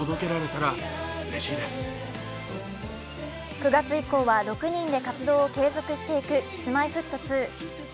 ９月以降は６人で活動を継続していくＫｉｓ−Ｍｙ−Ｆｔ２。